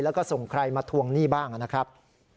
แล้วก็ส่งใครมาทวงหนี้บ้างนะครับ